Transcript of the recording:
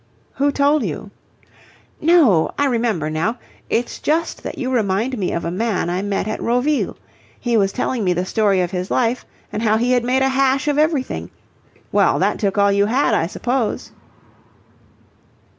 "Who told you?" "No, I remember now. It's just that you remind me of a man I met at Roville. He was telling me the story of his life, and how he had made a hash of everything. Well, that took all you had, I suppose?"